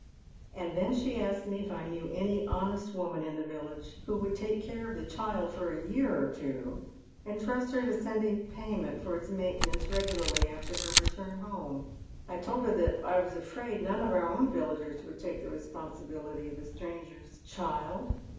And then she asked me if I knew any Iionest woman in tlie village who would take care of the child i'or a year or two, and tmst to her sending payment for its main tenance regularly after her return home. 1 told her that I %vas afraid none of our own villagers would take the responsibility of a stranger's child.